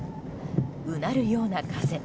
うなるような風。